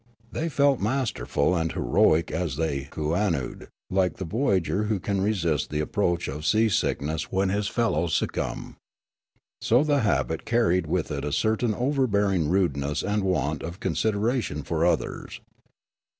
They felt masterful and heroic as thej' kooannooed, like the voyager who can resist the approach of seasickness when his fellows succumb. So the habit carried with it a certain overbearing rudeness and want of consider ation for others.